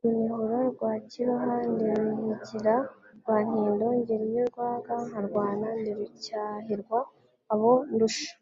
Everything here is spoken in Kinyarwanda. Runihura rwa Kiroha, ndi Ruhigira rwa Ntindo ngera iyo rwaga nkarwana, ndi Rucyahirwa abo ndusha,